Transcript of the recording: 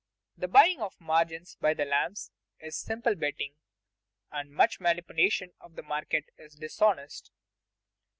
_The buying of margins by the "lambs" is simple betting, and much manipulation of the market is dishonest.